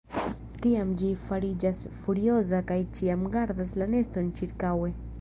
Tiam ĝi fariĝas furioza kaj ĉiam gardas la neston ĉirkaŭe.